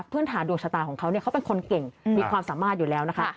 พื้นฐานโดยชะตาของเขาเป็นคนเก่งมีความสามารถอยู่แล้วนะคะ